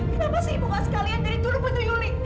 kenapa ibu masih kalian dari dulu benci juli